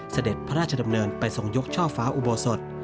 เสด็จพระราชดำเนินไปทรงยกช่อฟ้าอุโบสถ